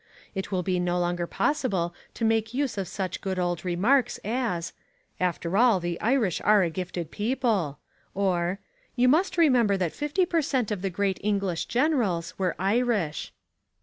It will be no longer possible to make use of such good old remarks as, "After all the Irish are a gifted people," or, "You must remember that fifty per cent of the great English generals were Irish."